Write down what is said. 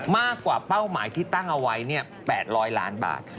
มากกว่าเป้าหมายที่ตั้งเอาไว้๘๐๐ล้านบาท